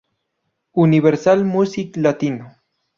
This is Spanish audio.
Universal Music Latino.